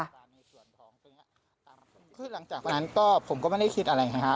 คือหลังจากนั้นก็ผมก็ไม่ได้คิดอะไรไงฮะ